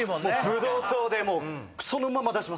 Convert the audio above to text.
ブドウ糖でもうそのまま出します答えを。